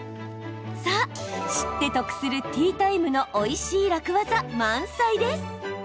さあ、知って得するティータイムのおいしい楽技、満載です。